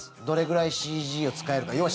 どれぐらいＣＧを使えるか。